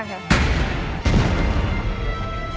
ทุกคนตอนนี้คิดว่าธุรกิจเกี่ยวกับ